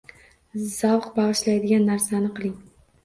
Zavq bag'ishlaydigan narsani qiling